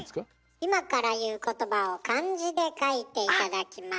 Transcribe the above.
今から言う言葉を漢字で書いて頂きます。